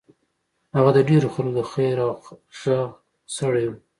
هغه د ډېرو خلکو د خېر او غږ سړی و.